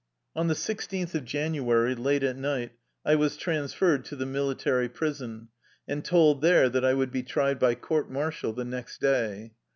On the sixteenth of January, late at night, I was transferred to the military prison, and told there that I would be tried by court martial the next day.